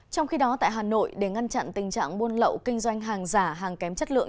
trong khi đó tại hà nội để ngăn chặn tình trạng buôn lậu kinh doanh hàng giả hàng kém chất lượng